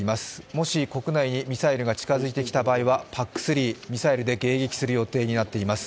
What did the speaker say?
もし、国内にミサイルが近づいてきた場合は、ＰＡＣ３ミサイルで迎撃する予定になっています。